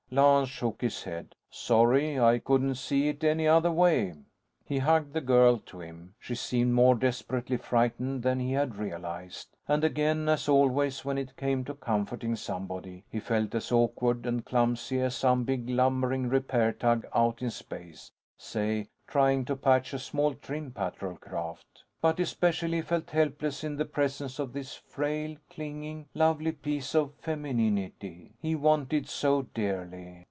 Lance shook his head. "Sorry. I couldn't see it any other way." He hugged the girl to him; she seemed more desperately frightened than he had realized. And again, as always when it came to comforting somebody, he felt as awkward and clumsy as some big lumbering repair tug out in space say trying to patch a small trim patrol craft. But especially, he felt helpless in the presence of this frail, clinging, lovely piece of femininity he wanted so dearly.